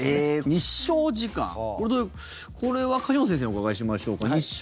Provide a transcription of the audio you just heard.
日照時間、これは梶本先生にお伺いしましょうか。